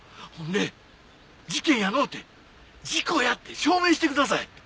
ほんで事件やのうて事故やって証明してください！